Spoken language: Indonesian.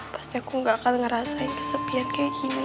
pasti aku gak akan ngerasain kesepian kayak gini